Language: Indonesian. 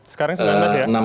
sekarang sembilan belas ya